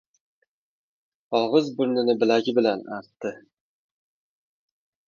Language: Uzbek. Og‘iz-burnini bilagi bilan artdi.